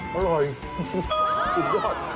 สุดยอด